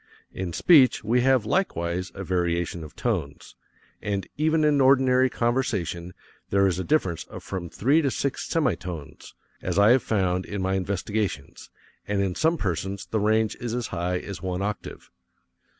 In speech we have likewise a variation of tones, and even in ordinary conversation there is a difference of from three to six semi tones, as I have found in my investigations, and in some persons the range is as high as one octave.